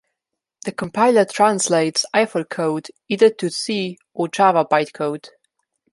The compiler translates Eiffel code either to C or Java bytecode.